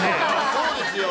そうですよ。